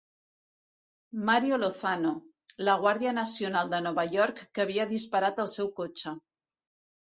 Mario Lozano, la Guàrdia Nacional de Nova York que havia disparat al seu cotxe.